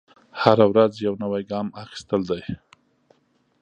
هره ورځ یو نوی ګام اخیستل دی.